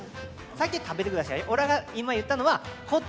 さっきは「食べて下さい」。